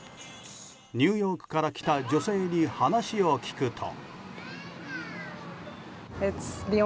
ニューヨークから来た女性に話を聞くと。